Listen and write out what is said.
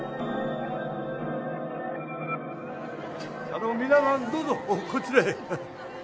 あの皆さんどうぞこちらへ。